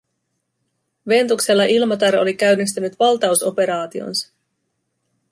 Ventuksella Ilmatar oli käynnistänyt valtausoperaationsa.